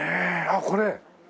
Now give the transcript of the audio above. あっこれ？